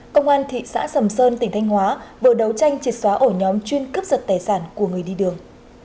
công an thị xã sầm sơn tỉnh thanh hóa vừa đấu tranh triệt xóa ổ nhóm chuyên cướp giật tài sản của người đi đường